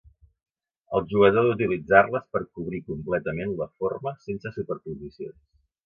El jugador ha d'utilitzar-les per cobrir completament la forma sense superposicions.